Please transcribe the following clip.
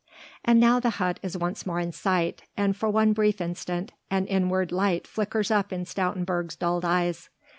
And now the hut is once more in sight, and for one brief instant an inward light flickers up in Stoutenburg's dulled eyes.